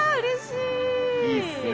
いいっすね。